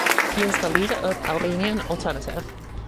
He is the leader of Albanian Alternative.